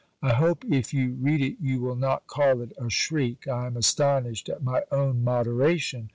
I hope if you read it you will not call it a shriek (I am astonished at my own moderation).